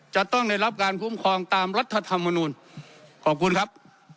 จะต้องได้รับการคุ้มครองตามรัฐธรรมนูลขอบคุณครับ